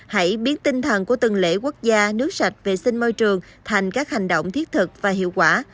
hãy biến tinh thần của từng lễ quốc gia nước sạch vệ sinh môi trường thành các hành động thiết thực và hiệu quả